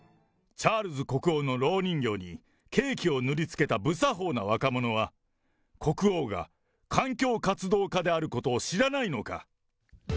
チャールズ国王のろう人形にケーキを塗りつけた無作法な若者は、国王が環境活動家であることを知らないのか。